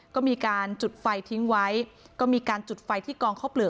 ก็มีการจุดไฟทิ้งไว้ก็มีการจุดไฟที่กองข้าวเปลือก